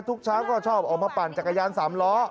ทุกเช้าก็ชอบอมพระปรรณจากร้านสามล้อ